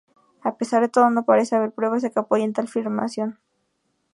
A pesar de todo no parece haber pruebas que apoyen tal afirmación.